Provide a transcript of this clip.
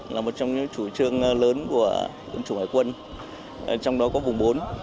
là một trong những chủ trương lớn của quân chủng hải quân trong đó có vùng bốn